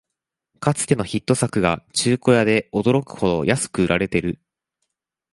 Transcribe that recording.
かつてのヒット作が中古屋で驚くほど安く売られてる